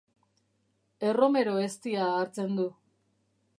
Erromero-eztia hartzen du.